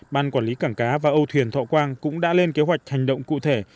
ban quản lý cảng cá và âu thuyền thọ quang cũng đã lên kế hoạch hành động cụ thể